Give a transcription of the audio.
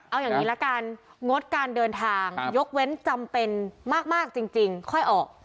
เอาอย่างนี้ละกันงดการเดินทางยกเว้นจำเป็นมากจริงค่อยออก